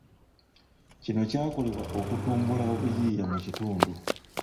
Kino kyakolebwa okutumbula obuyiiya mu kitundu.